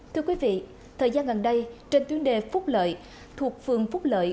thưa quý vị thời gian gần đây trên tuyến đề phúc lợi thuộc phường phúc lợi